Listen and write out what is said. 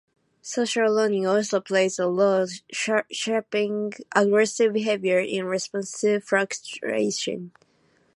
Social learning also plays a role in shaping aggressive behavior in response to frustration.